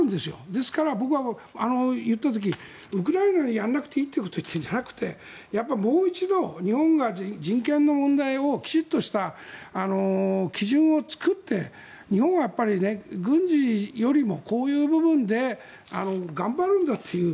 ですから僕は、言ってた時ウクライナはやらなくていいということではなくてやっぱりもう一度日本が人権の問題をきちんとした基準を作って日本は軍事よりもこういう部分で頑張るんだという。